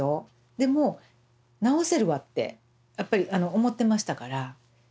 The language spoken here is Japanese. でも治せるわってやっぱり思ってましたから。